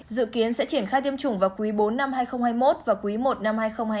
dự kiến sẽ triển khai tiêm chủng vào quý bốn năm hai nghìn hai mươi một và quý i năm hai nghìn hai mươi bốn